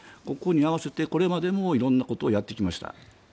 ここに合わせて、これまでも色んなことをやってきました。